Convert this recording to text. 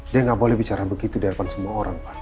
dia nggak boleh bicara begitu di depan semua orang pak